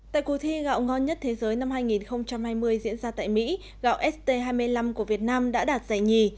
tại cuộc thi gạo ngon nhất thế giới năm hai nghìn hai mươi diễn ra tại mỹ gạo st hai mươi năm của việt nam đã đạt giải nhì